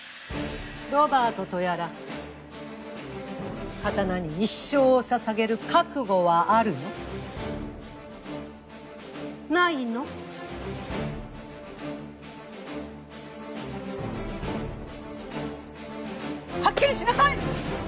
ロバートとやら刀に一生を捧げる覚悟はあるの？ないの？はっきりしなさい！